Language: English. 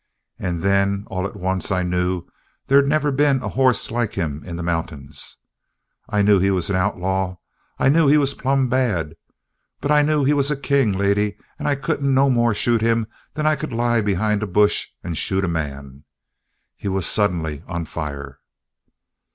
And then all at once I knew they'd never been a hoss like him in the mountains. I knew he was an outlaw. I knew he was plumb bad. But I knew he was a king, lady, and I couldn't no more shoot him that I could lie behind a bush and shoot a man." He was suddenly on fire.